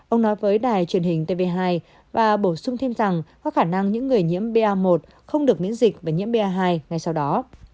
ông nói với đài truyền hình tv hai và bổ sung thêm rằng có khả năng những người nhiễm ba một không được miễn dịch và nhiễm ba hai ngay sau đó